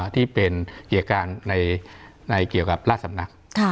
ที่เป็นเกี่ยวกับราชสำนัก